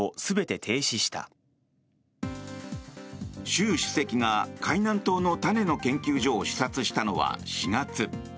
習主席が海南島の種の研究所を視察したのは４月。